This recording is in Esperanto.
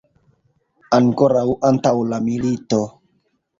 Ankoraŭ antaŭ la milito.